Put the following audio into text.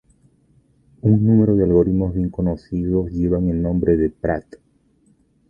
Un número de algoritmos bien conocidos llevan el nombre de Pratt.